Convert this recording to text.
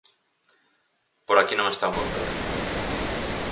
Por aquí non está o meu problema.